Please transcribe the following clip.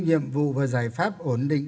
nhiệm vụ và giải pháp ổn định